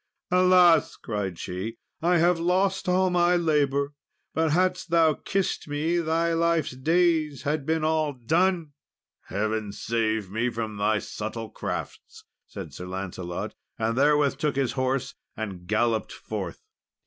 "Alas!" cried she, "I have lost all my labour! but hadst thou kissed me, thy life's days had been all done!" "Heaven save me from thy subtle crafts!" said Sir Lancelot; and therewith took his horse and galloped forth.